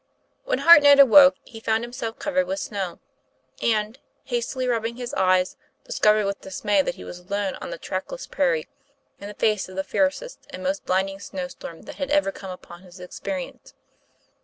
WHEN Hartnett awoke he found himself covered with snow, and, hastily rubbing his eyes, dis covered with dismay that he was alone on the track less prairie in the face of the fiercest and most blinding snow storm that had ever come under his experience.